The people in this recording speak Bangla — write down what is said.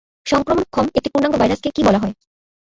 সংক্রমণক্ষম একটি পূর্ণাঙ্গ ভাইরাসকে কী বলা হয়?